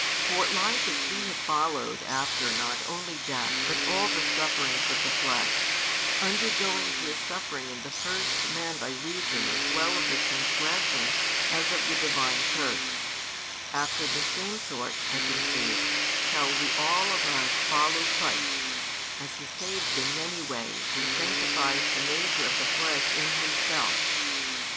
For like as we have followed after not only death but all the sufferings of the flesh, undergoing this suffering in the first man by reason as well of the transgression as of the divine curse; after the same sort, I conceive, shall we all of us follow Christ, as He saves in many ways and sanctifies the nature of the flesh in Himself.